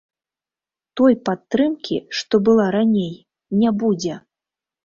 Той падтрымкі, што была раней, не будзе!